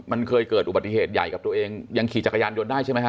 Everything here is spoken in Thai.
มันเคยเกิดอุบัติเหตุใหญ่กับตัวเองยังขี่จักรยานยนต์ได้ใช่ไหมฮ